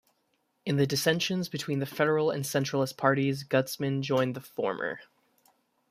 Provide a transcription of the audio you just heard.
In the dissensions between the Federal and Centralist parties, Guzman joined the former.